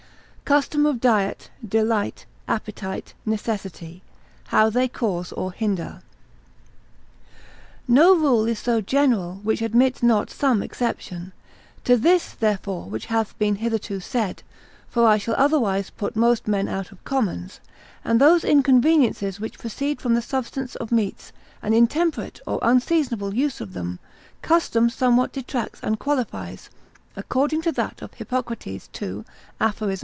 —Custom of Diet, Delight, Appetite, Necessity, how they cause or hinder. No rule is so general, which admits not some exception; to this, therefore, which hath been hitherto said, (for I shall otherwise put most men out of commons,) and those inconveniences which proceed from the substance of meats, an intemperate or unseasonable use of them, custom somewhat detracts and qualifies, according to that of Hippocrates, 2 Aphoris.